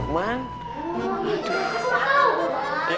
kok kamu pak ustadz